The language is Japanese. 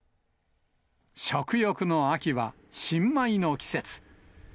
食欲の秋は、新米の季節。